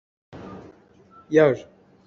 Tuah hlah ti mi khi tuah a duh chinchin.